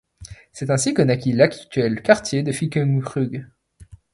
C'est ainsi que naquit l'actuelle quartier de Finkenkrug.